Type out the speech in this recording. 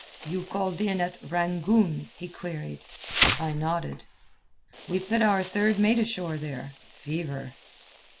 "You called in at Rangoon?" he queried. I nodded. "We put our third mate ashore there. Fever."